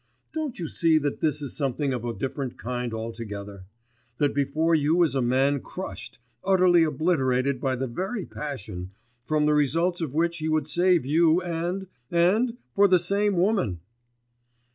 Don't you see that this is something of a different kind altogether, that before you is a man crushed, utterly obliterated by the very passion, from the results of which he would save you, and ... and for the same woman!